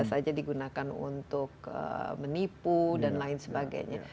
bisa saja digunakan untuk menipu dan lain sebagainya